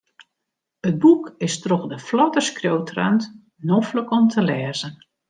It boek is troch de flotte skriuwtrant noflik om te lêzen.